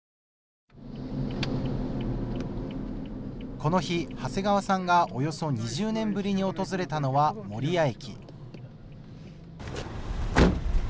この日、長谷川さんがおよそ２０年ぶりに訪れたのは守谷駅。